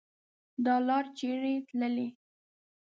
دا لار چیري تللي